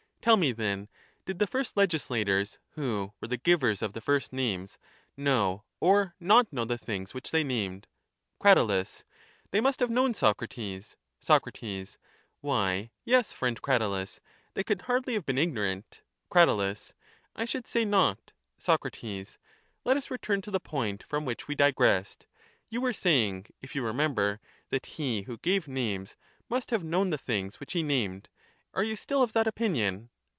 Tell me, then, did the first legislators, who were the givers of the first names, know or not know the things which they named? Crat. They must have known, Socrates. Soc. Why, yes, friend Cratylus, they could hardly have been ignorant. Crat. I should say not. Soc. Let us return to the point from which we digressed. You were saying, if you remember, that he who gave names must have known the things which he named ; are you still of that opinion?